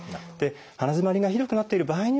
鼻づまりがひどくなっている場合にはですね